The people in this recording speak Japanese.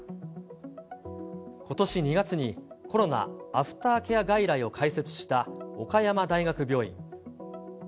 ことし２月にコロナ・アフターケア外来を開設した岡山大学病院。